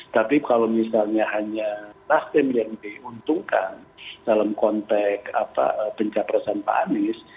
tapi kalau misalnya hanya nasdem yang diuntungkan dalam konteks pencapresan pak anies